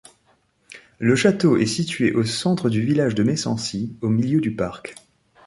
Le château est situé au centre du village de Messancy, au milieu du parc.